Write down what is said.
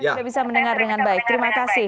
iya saya sudah bisa mendengar dengan baik terima kasih